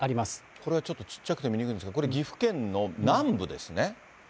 これはちょっとちっちゃくて見にくいんですが、これ、岐阜県の南部ですね。